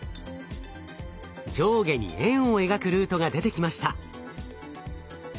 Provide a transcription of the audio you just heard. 上下に円を描くルートが出てきました。